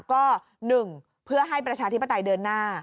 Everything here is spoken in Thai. ก็๑เพื่อให้ประชาธิปไตยเดินหน้า